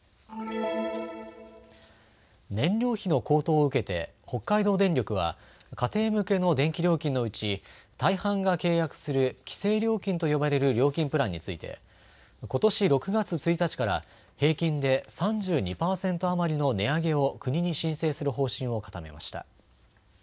燃料費の高騰を受けて北海道電力は家庭向けの電気料金のうち大半が契約する規制料金と呼ばれる料金プランについてことし６月１日から平均で３２％余りの値上げを国に申請する方針を固めました。